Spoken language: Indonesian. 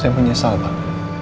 saya menyesal pak